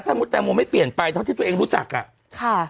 ถ้ามุติแตงโมไม่เปลี่ยนไปเท่าที่ตัวเองรู้จักอ่ะค่ะ